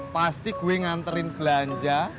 pasti gue nganerin belanja